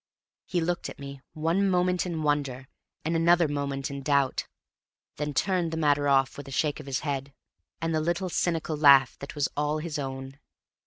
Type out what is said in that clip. He looked at me one moment in wonder, and another moment in doubt; then turned the matter off with a shake of his head, and the little cynical laugh that was all his own.